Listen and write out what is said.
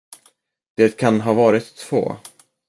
Det kan ha varit två.